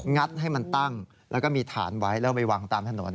ให้มันตั้งแล้วก็มีฐานไว้แล้วไปวางตามถนน